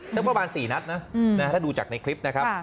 สักประมาณ๔นัดนะถ้าดูจากในคลิปนะครับ